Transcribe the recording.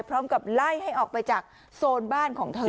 พร้อมกับไล่ให้ออกไปจากโซนบ้านของเธอ